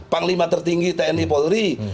panglima tertinggi tni polri